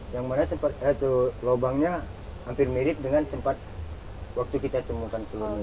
yang mana tempat itu lubangnya hampir mirip dengan tempat waktu kita temukan telurnya tadi